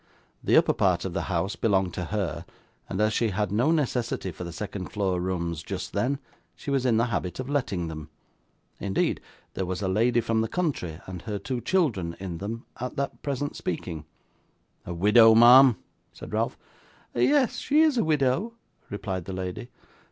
The upper part of the house belonged to her, and as she had no necessity for the second floor rooms just then, she was in the habit of letting them. Indeed, there was a lady from the country and her two children in them, at that present speaking. 'A widow, ma'am?' said Ralph. 'Yes, she is a widow,' replied the lady.